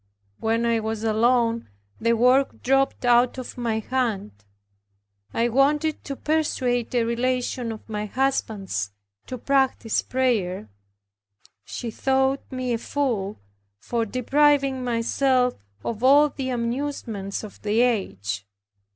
When I was alone, the work dropped out of my hand. I wanted to persuade a relation of my husband's to practice prayer. She thought me a fool, for depriving myself of all the amusements of the age.